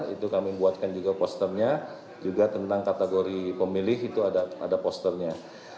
itu kami buatkan juga posternya juga tentang kategori pemilih itu ada posternya